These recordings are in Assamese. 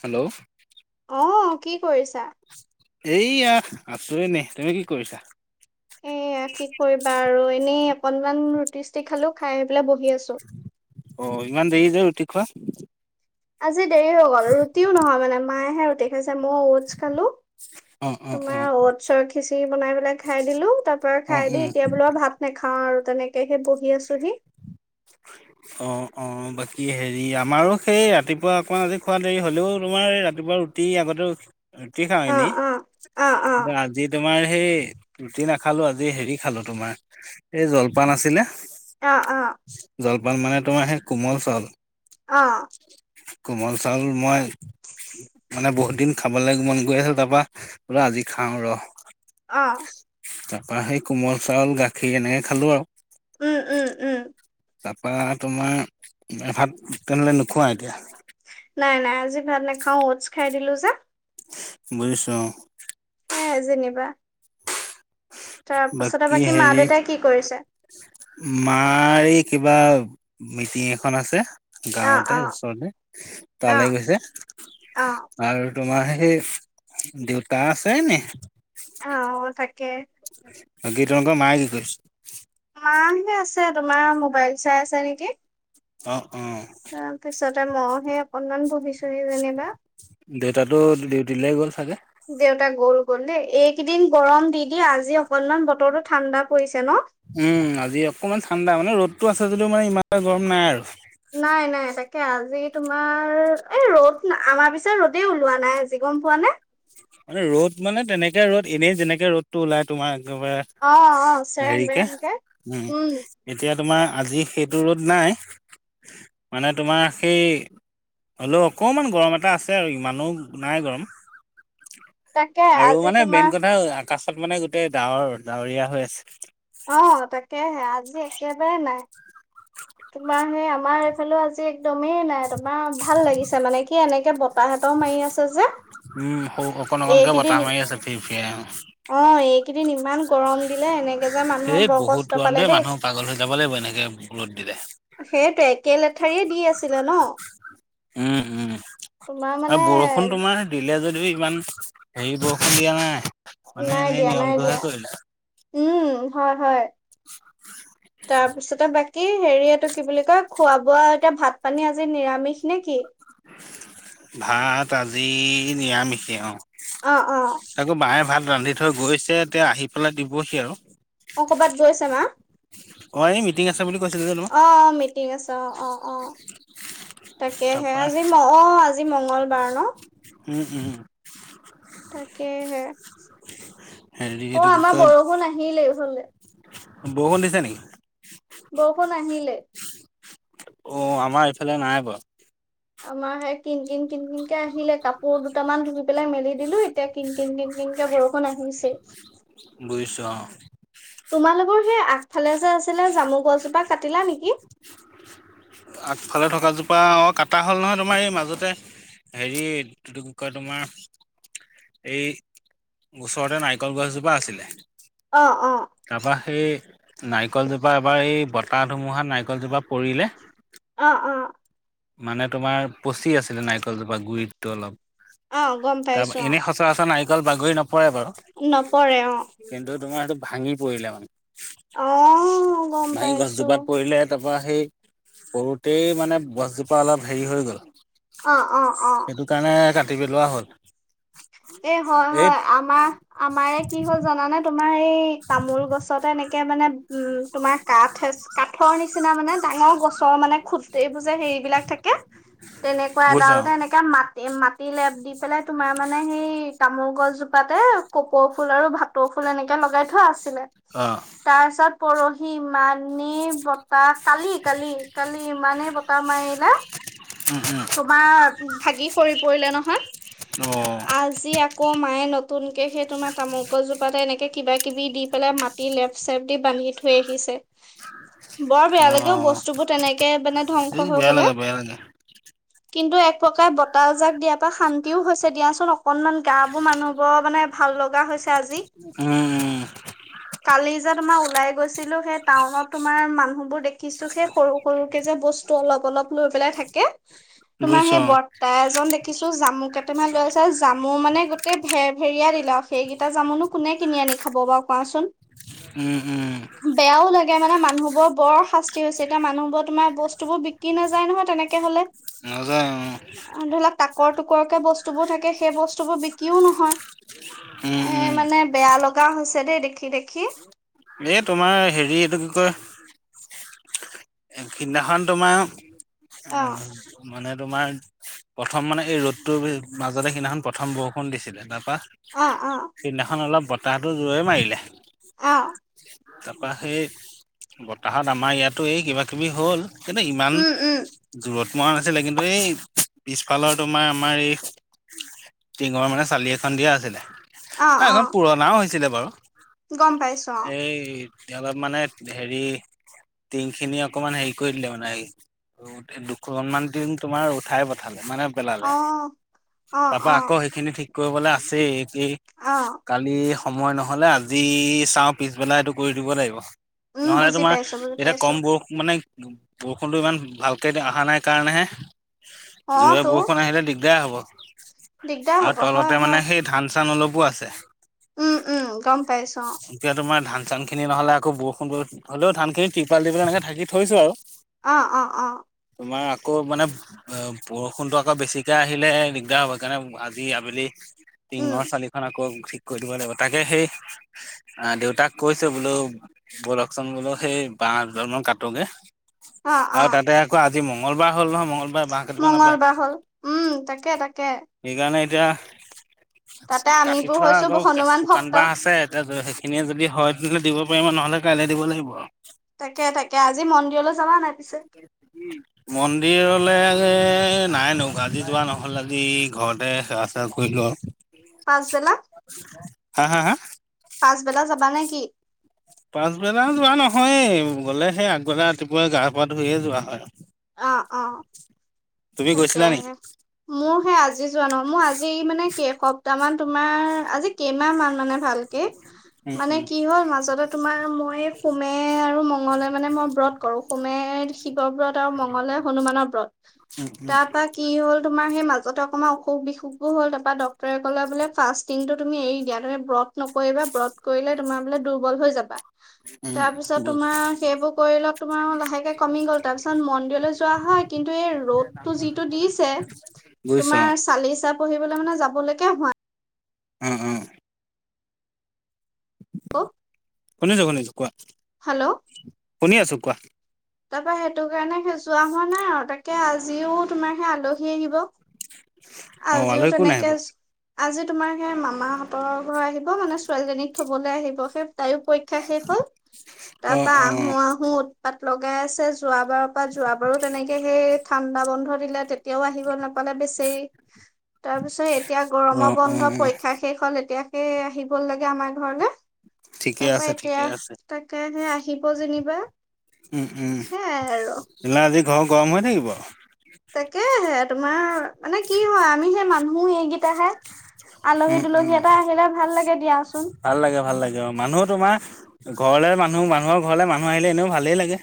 হেল্ল', অ', কি কৰিছা? এইয়া আছো এনেই, তুমি কি কৰিছা? এইয়া কি কৰিবা আৰু এনেই অকনমান ৰুটি চুটি খালো খাই আহি পেলাই বহ অ', ইমান দেৰি যে ৰুটি খোৱা? আজি দেৰি হৈ গল ৰুটিও নহয় মানে মায়েহে ৰুটি খাই ছে মই অটছ খালো অ অ অ তোমাৰ অটছৰ খিচিৰি বনাই পেলাই খাই দিলো। তাৰ পৰা অ খাই দি উম এতিয়া বোলো ভাত নাখাও আৰু তেনেকেহে বহি আছোহি। [inaudible] অ', অ', বাকী হেৰি আমাৰো সেই ৰাতিপুৱা অকমান আজি খোৱা দেৰি হলেও তোমাৰ ৰাতিপুৱা ৰুটি আগতেও ৰুটি খাওঁ অ', এনেই অ', অ', অ', কিন্তু আজি তোমাৰ সেই ৰুটি নাখালো আজি হেৰি খালো তোমাৰ এই জলপান আছিলে। অ', অ', জলপান মানে তোমাৰ সেই কোমল চাউল। অ', কোমল চাউল মই মানে বহুত দিন খাবলৈ মন গৈ আছে তাৰপা পৰা আজি খাওঁ ৰ। অ', তাৰপা সেই কোমল চাউল গাখীৰ এনেকে খালো আৰু উম, উম, উম, তাৰপা তোমাৰ এ ভাত তেনেহ'লে নোখোৱা এতিয়া। নাই, নাই, আজি ভাত নেখাওঁ, অতছ খাই দিলো যে। বুজিছোঁ অ', হে যেনিবা তাৰ পাছতে বাকী, মা হেৰি, দেউতাই কি কৰিছে? মাৰি কিবা মিটিং এখন আছে। অ', গাঁৱতে অ', ওচৰতে তালৈ অ', গৈছে, অ'। আৰু তোমাৰ সেই দেউতা আছে এনে। অ', তাকে। আজি তোমালোকৰ মায়ে কি কৰিছে? মাহে আছে তোমাৰ ম'বাইল চাই আছে নেকি? অ অ তাৰপিছতে মইহে অকনমান বহিছো। হেৰি যেনিবা দেউতাটো ডিউটিলে গ'ল চাগে দেউতা গৰু গ'ল দেই, এইকেইদিন গৰম দি দি আজি অকনমান বতৰটো ঠাণ্ডা পৰিছে। ন? উম, আজি অকমান ঠাণ্ডা, মানে ৰ'দটো আছে যদি মানে ইমান এটা গৰম নাই আৰু। নাই, নাই তাক কে আজি তোমাৰ এই ৰ'দ, আমাৰ পিছেই ৰ'দেই ওলোৱা নাই আজি গম পোৱা নে? মানে ৰ'দ মানে, তেনেকে ৰ'দ এনেই যেনেকে, ৰ'দটো ওলাই তোমাৰ অ', অ', একেবাৰে চেৰেং হেৰিকে, বেৰেংকে। উম, এতিয়া তোমাৰ আজি সেইটো ৰ'দ নাই, মানে তোমাৰ সেই হ'লেও অকণমান গৰম এটা আছে আৰু ইমানো নাই গৰম। তাকে আৰু আজি মানে তোমাৰ মেইন কথা আকাশত মানে গোটেই ডাৱৰ ডাৱৰীয়া হৈ আছে। অ', তাকেহে আজি একেবাৰে নাই। তোমাৰ সেই আমাৰ এইফালে আজি একদমেই নাই তোমাৰ ভাল লাগিছে মানে কি এনেকে ব তাহঁতৰ মাৰি আছে যে। উম, সৌ অকণ অকণকে এইকেইদিন বতাহমাৰি আছে ফিৰ ফিৰাই। কেইদিন ইমান গৰম দিলে, এনেকে যে মানুহৰ এই বৰ বহুত কষ্ট গৰম পালে দেই। মানুহ পাগল হৈ যাব লাগিব এনেকে ৰ'দ দিলে সেইটো একে লেঠাৰিয়ে দি আছিলে ন। উম উম তোমাৰ আৰু মানে বৰষুণ তোমাৰ দিলে যদি, যদিও ইমান হেৰি বৰষুণ দিয়া নাই মানে নাই এনেই দিয়া নাই নিয়মটোহে দিয়া কৰিলে। উম, হয়, হয় তাৰপিছতে বাক কি হেৰি এইটো কি বুলি কয়, খোৱা বোৱা এতিয়া ভাত পানী আজি নিৰামিষ নেকি? ভাত আজি নিৰামিষে আও অ অ তাকো বায়ে ভাত ৰান্ধি থৈ গৈছে। এতিয়া আহি পেলাই দিবহি আৰু। অ কবাত গৈছে মা? অ এই মিটিং আছে বুলি কৈছিলো যে তোমাক অহ, অ মিটিং আছে অ-অ-অ। তাকেহে তাৰপৰা আজি, অ, আজি মঙ্গলবাৰ ন। উম, উম। তাকেহে, হেৰি অ এইটো কি আমাৰ কয় বৰষুণ আহিলেই হ'লে। বৰষুণ দিছে নেকি? বৰষুণ আহিলেই অ, আমাৰ এইফালে নাই বাৰু। আমাৰ সেই কিন, কিন, কিন, কিন কে আহিলে। কাপোৰ দুটামান ধুই পেলাই মেলি দিলো এতিয়া কিন, কিন, কিন, কিন কে বৰষুণ আহিছেই। বুজিছো অ। তোমালোকৰ সেই আগফালে যে, আছিলে জামু গছজোপা কাটিলা নেকি? আগফালে থকাজোপা অ কাটা হ'ল নহয় তোমাৰ এই মাজতে হেৰি কি কয় তোমাৰ এই ওচৰতে নাৰিকল গছজোপা আছিলে অ অ তাৰপা সেই নাৰিকলজোপা এবাৰ এই বতাহ ধুমুহাত নাৰিকলজোপা পৰিলে অ অ মানে তোমাৰ পচি আছিলে নাৰিকলজোপা গুৰিটো অলপ অ গম তাৰ পাইছো অ এনেই সচৰাচৰ নাৰিকল বাগৰি নপ নপৰে অ তোমাৰ সেইটো ভাঙি পৰিলে মানে অ গম ভাঙি পাইছো গছজোপাত পৰিলে তাৰপৰা সেই সৰুতেই মানে গছজোপা অলপ হেৰি হৈ গ'ল অ অ অ তিভি লোৱা হ'ল [inaudible] এ হয় এই হয় আমাৰ আমাৰে কি হ'ল জানে তোমাৰ এই তামোল গছতে এনেকে মানে উম তোমাৰ কাঠ কাঠৰ নিচিনা মানে ডাঙৰ গছৰ মানে খুটিবুৰ যে হেৰিবিলাক থাকে তেনেকুৱা বুজিছো এডালতে এনেকে মাটি ম দি লেপ দি পেলাই তোমাৰ মানে সেই তামোল গছজোপাতে কপৌ ফুল আৰু ভাটৌ ফুল এনেকে লগাই থোৱা আছিল অ তাৰ পিছত পৰহি ইমানেই বতাহ কালি কালি কালি ইমানেই বতাহ মাৰিলে উম উম তোমাৰ ভাগি সৰি পৰিলে অ নহয় আজি আকৌ মায়ে নতুন কে সেই তোমাৰ তামোলগছ জোপাত এনেকে কিবা কিবি দি পেলাই মাটি লেপট চেপ দি বান্ধি থৈয় আহিছে বৰ বেয়া লাগে অ বস্তুবোৰ তেনেকে মানে এই ধ্বংস হৈ বেয়া গলে লাগে বেয়া লাগে কিন্তু এক প্ৰকাৰে বতাহজাক দিয়াৰ পৰা শান্তিও হৈছে দিয়া অকনমান গা বোৰ মানুহবোৰৰ মানে ভাল লগা হৈছে আজি উম উম কালিযে তুমাৰ [inaudible] ওলাই গৈছিলো সেই টাউনত তোমাৰ মানুহ বোৰ দেখিছো সেই সৰু সৰুকে যে বস্তু অলপ অলপ লৈ পেলাই থাকে তুমাৰ বুজিছো সেই অ বৰ্তা এজন দেখিছো জামু কেইটামান লৈ আছ জামু মানে গোটেই ভেৰ ভেৰিয়া দিলে সেইকেইটা জামুনো কোনে কিনি আনি খাব বাৰু কোৱাচোন উম উম এতিয়া মানে মানুহবোৰৰ বৰ শাস্তি হৈছে, এতিয়া মানুহবোৰ তোমাৰ বস্তুোৰ বিক্ৰী নাযায় নহয় তেনেকে হলে। মজা অ', কৰ টুকৰ কে বস্তু কে সেই বস্তুবোৰ বিক্ৰীও নহয়, উম এ উম মানে বেয়া গাহৈছে দে দেখি দেখি এ তোমাৰ হেৰি এইটো কি কয় এই সিদিনাখন তোমাৰ অ উম, মানে তোমাৰ প্ৰথম মানে এই ৰ'দটোৰ মাজতে সিদিনাখন প্ৰথম বৰষুণ দিছিলে তাত অ অ সিদিনাখন অলপ বতাহটো জোৰেই মাৰিলে। অ তাৰপৰা সেই বতাহত আমাৰ ইয়াতো এই কিবাকিবি হ'ল। কিন্ত ইমান উম উম জোৰত মৰা নাছিলে কিন্তু এই পিছফালৰ তোমাৰ আমাৰ এই টিঙৰ মানে চালি এখন দিয়া আছিলে, অ হয় অ এখন পুৰণাও হৈছিলে বাৰু গম পাইছো অ', তেওঁ অলপ মানে হেৰি টিং খিনি অকণমান হেৰি কৰি দিলে মানে হেৰি দুখনমান দিন তোমাৰ উঠাই পঠালে। মানে অ পেলালে অ অ তাৰপা অ আকৌ সেইখিনি ঠিক কৰিবলৈ আছে এই অ কালি সময় নহ'লে আজি চাওঁ পিছবেলা এইটো কৰি দিব লাগিব। উম নহলে বুজি তোমাৰ পাইছো বুজি এতিয়া পাইছো কম বোৰ মানে বৰষুণটো ইমান ভালকে অহা নাই কাৰণেহে অ জোৰে তো বৰষুণ আহিলে দি দে হ'ব দিগদাৰ আৰু হব হয় তলতে হয় মানে সেই ধান চান অলপো আছে। উম, উম, গম পাইছো। এতিয়া তোমাৰ ধান চান খিনি নহলে আকৌ বৰষুণ হলেও ধান খিনি তিৰপাল দি পেলাই এনেকে ধাকি থৈছো আৰু। অ', অ', অ', তোমাৰ আকৌ মানে অ, বৰষুণতটো আকৌ বেছিকে আহিলে দিগদাৰ হব কাৰণে আজি আবেলি উম টিঙৰ চালিখন আকৌ ঠিক কৰি দিব লাগিব তাকে সেই আ, দেউতাক কৈছে বোলো বলকচোন বোলো সেই বাঁহ দুডালমান কাটোগে। অ অ আৰু তাতে আকৌ আজি মংগলবাৰ হ'ল নহয় মংগল মঙলবাৰে বাঁহ কাটিব নাপায়, মংগলবাৰ হ'ল উম তাকে তাকে সেইকাৰণে এতিয়া তাতে কাটি আমিবোৰ থোৱা হৈছো আগৰ হনুমান শুকান ভক্ত বাঁহ আছে। এতিয়া সেইখিনিয়ে যদি হয় তেনেহলে দিব পাৰিবা নহলে কাইলৈ দিব লাগিব আৰু। তাকে তাকে আজি মন্দিৰলৈ যাবা নাই? পিছে মন্দিৰলে এ নাই নো আজি যোৱা নহ'ল আজি ঘৰতে সেৱা চেৱা কৰিলোঁ আৰু। পাঁচবেলা হাঁ, হাঁ, হাঁ? পাঁছবেলা যাবা নে কি? পাঁছবেলা যোৱা নহয়, গ'লে সেই আগবেলা ৰাতিপুৱাই গাপা ধুইয়ে যোৱা হয়। তুমি তাকে গৈছিলা নি মোৰ সেই আজি যোৱা নহয় মোৰ আজি মানে কেসপ্তাহ মান তোমাৰ আজি কেইমাহ মান মানে ভালকে উম মানে উম কি হ'ল মাজতে তোমাৰ মই ফোমে আৰু মংগলে মানে মই ব্ৰত কৰো সোমে ব্ৰত আৰু মঙগলে হনুমানৰ ব্ৰত, উম তাৰ পৰা কি হ'ল তোমাৰ সেই মাজতে আমাৰ অসুখ বিসুখো হ'ল, তাৰপৰা ডক্তৰে ক'লে বোলে ফাৰ্ষ্টিংটো তুমি এৰি দিয়া, তোমি ব্ৰত নকৰিবা ব্ৰত কৰিলে তোমাৰ বোলে দুৰ্বল হৈ যাবা। উম তাৰ পিছত উম গৈ তোমাৰ সেইবোৰ কৰি লও তোমাৰ লাহেকে কমি গ'ল তাৰপিছত মন্দিৰলৈ যোৱা হয় কিন্তু ৰদটো যিটো দিছে, গৈছ অ তোমাৰ চালিচা পঢ়িবলৈ মানে যাবৈ লৈকে হোৱা উম, উম। হেল্ল? শুনিছো, শুনিছো, কোৱা। শুনি আছো কোৱা? তাৰপা সেইটো কাৰণে যোৱা হোৱা নাই আৰু তাকে আজিও তোমাৰ সেই আলহী আহিব। অ আজিও আলহী কোন আহিব তেনেকে। আজি তোমাৰ সেই মামাহঁতৰৰ ঘৰ আহিব মানে ছোৱালীজনীক থবলৈ আহিব। সেই তাইও পৰীক্ষা শেষ হল তাৰ অ পৰা অ আহো, আহো উৎপাত লগাই আছে। যোৱাবাৰৰ পৰা যোৱাবাৰো তেনেকে সেই ঠাণ্ডা বন্ধত। দিলে তেতিয়াও আহিব নাপালে বেচি। তাৰ পিছত এতিয়া অ গৰমৰ অ বন্ধ পৰীক্ষা শেষ হ'ল এতিয়াকে আহিব লাগে আমাৰ ঘৰলৈ। ঠিকে তাৰাপা আছে এতিয়া ঠিকে আছে তাকে আহিব যেনিবা। উম, উম, সেয়াই আৰু সিলাদি ঘৰ গৰম হৈ থাকিব। তাকে সে তোমাৰ। মানে কি হয় আমি সে মানুহো এইকেইটাহে আলহী উম, দুলহী উম, এটা আহিলে ভাল লাগে দিয়াচোন ভাল লাগে, ভাল লাগে অ, মানুহো তোমাৰ ঘৰলৈ মানুহ, মানুহৰ ঘৰলৈ মানুহ আহিলে এনেও ভালেই লাগে।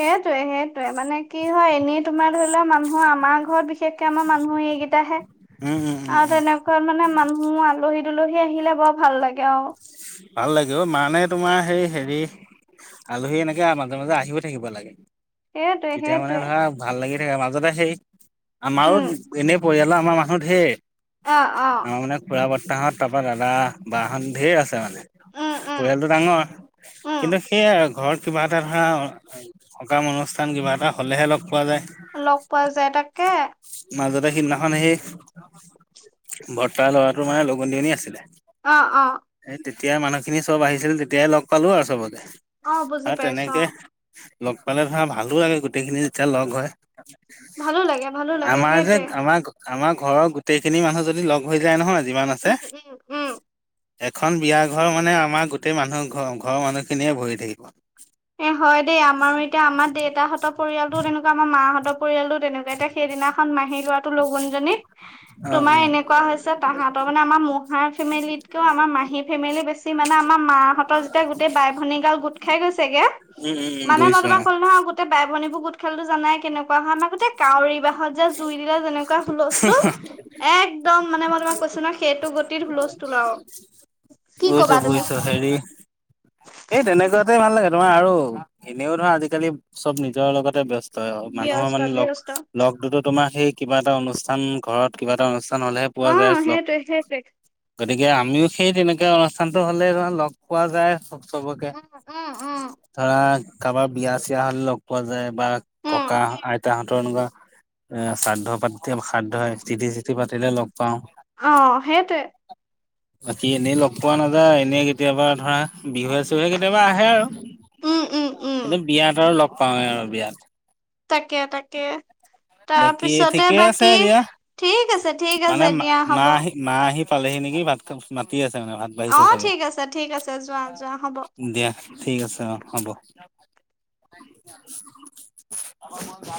সেইটোৱে, সেইটোৱে মানে কি হয় এনেই তোমাৰ ধৰি লোৱা মানুহৰ আমাৰ ঘৰত বিশেষকে আমাৰ মানুহ এইকেইটাহে। উম উম উম আৰু উম। তেনেকুৱা মানে মানুহ আলহী, দুলহী আহিলে বৰ ভাল লাগে আৰু। ভাল লাগে, মানে তোমাৰ, সেই হেৰি আলহী এনেকে মাজে, মাজে আহিও থাকিব লাগে। সেইটোৱে তেতিয়া মানে সেইটোৱে ধৰা ভাল লাগি থ, মাজতে সেই আমাৰো উম এনেই পৰিয়ালৰ আমাৰ মানুহত ধেৰ অ অ আমাৰ মানে খুৰা বতাহত তাৰ পৰা দাদা, বাহহত ধেৰ আছে মানে। উম উম পৰিয়ালটো ডাঙৰ। উম কিন্তু সেইয়াই আৰু ঘৰত কিবা এটা ধৰা সকাম অনুষ্ঠান কিবা এটা হ'লেহে অলপ লগ পোৱা যায় তাকে। মাজতে সিদিনাখন সেই, ভৰ্তাৰ ল'ৰাটোৰ মানে লগন দজনী আছিলে। অ', অ'। এই তেতিয়া মানুহখিনি চব আহিছিল, তেতিয়াই লগ পালোঁ আৰু চবকে, অ বুজি আৰু পাইছো অ তেনেকে লগ পালে ধৰা ভালো লাগে, গোটেইখিনি যেতিয়া লগ হয়। ভালো লাগে ভালো লাগে আমাৰ যে সেইটোৱে আমাক, আমাক। ঘৰৰ গোটেইখিনি মানুহ যদি লগ হৈ যায় নহয়, যিমান আছে, উম উম উম এ এখন বিয়া ঘৰ মানে আমাৰ গোটেই মানুহ ঘৰ, ঘৰৰ মানুহখিনিয়ে ভৰি থাকিব। এ, হয়, দেই আমাৰো এতিয়া আমাৰ দেউতাহঁতৰ পৰিয়ালটোও তেনেকুৱা আমাৰ মাহঁতৰ পৰিয়ালটো তেনেকুৱা এতিয়া সেইদিনাখন মাহি লৰাটো লগুনজনী। [inaudible] তোমাৰ এনেকুৱা হৈছে, তাহাঁতৰ মানে আমাৰ মহাৰ ফেমিলিতকেও আমাৰ মাহী ফেমিলি বেছি মানে আমাৰ মাহঁতৰ যেতিয়া গোটেই বাই, ভনী গাল গোট খাই গৈছে। কে, উম উম উম মানে মই বুজিছো অ তোমাক ক'লো নহয়, গোটেই বাই-ভনীবোৰ গোট খালে জানাই কেনেকুৱা হয়, আ। গোটেই কাউৰী বাহত যে জুই দিলে যেনেকুৱা হুলস্থুল, একদম মানে মই তোমাক কৈছো নহয় সেইটো গতিত হুলস্থুল আৰু। কি বুজিছো, কবা তুমি বুজিছো হেৰি। এই তেনেকুৱাতে ভাল লাগে। তোমাৰ আৰু এনেও ধৰা আজিকালি চব নিজৰ লগতে ব্য স্ত মানুহৰ ব্যস্ত মানে লগ, ব্যস্ত লগ দুতো তোমাৰ সেই কিবা এটা অনুষ্ঠান ঘৰত কিবা এটা অনু ষ্ঠান হলেহে অ পোৱা যায় লগ। সেইটোৱে সেইটোৱে গতিকে আমিও সেই তেনেকুৱা অনুষ্ঠানটো হ'লে ধৰা লগ পোৱা যায় চ চবকে, উম উম উম ধৰা কাবাৰ বিয়া-চিয়া হ'লে লগ পোৱা যায়। বা ককা উম। আ তাহতৰ এনেকুৱা, এ, শ্ৰাদ্ধ পাতি শ্ৰাদ্ধ হে চিঠি-টিঠি পাতিলে লগ পাওঁ, অ সেইটোৱে। বাকী এনেই লগ পোৱা না ৰা এনেই কেতিয়াবা ধৰা বিহুৱে চিহুয়ে কেতিয়াবা আহে আৰু, উম উম উম কিন্তু বিয়াত আৰু লগ পাওঁৱে আৰু বিয়াত। তাকে, তাকে। বাকী তাৰপিছতে ঠিকেই আছে বাকী, দিয়া ঠিক আছে ঠিক মানে আছে দিয়া মা হ'ব। আহি মা আহি পালেহি নেকি ভাত [unintelligible] মাতি মানে ভাত বাঢ়িছে অ' চাগে ঠিক আছে ঠিক আছে যোৱা। যোৱা হ'ব। দিয়া ঠিক আছে অ' হ'ব। [inaudible]